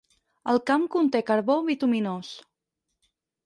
El camp conté carbó bituminós.